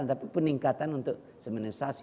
tapi peningkatan untuk semenisasi